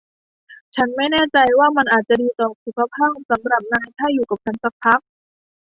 ฉันไม่แน่ใจว่ามันอาจจะดีต่อสุขภาพสำหรับนายถ้าอยู่กับฉันสักพัก